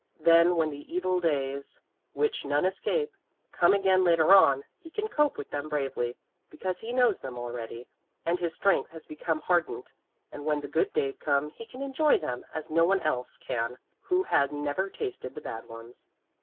Then when the evil days, which none escape, come again later on, he can cope with them bravely, because he knows them already and his strength has become hardened; and when the good days come he can enjoy them as no one else can who has never tasted the bad ones.